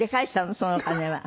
そのお金は。